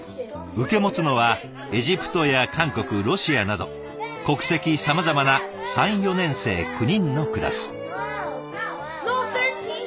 受け持つのはエジプトや韓国ロシアなど国籍さまざまな３４年生９人のクラス。